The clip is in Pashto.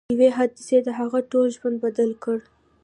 یوې حادثې د هغه ټول ژوند بدل کړ